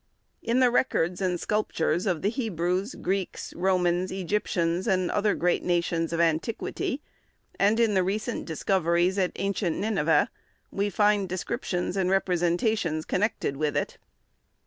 In the records and sculptures of the Hebrews, Greeks, Romans, Egyptians, and other great nations of antiquity, and in the recent discoveries at ancient Nineveh, we find descriptions and representations connected with it.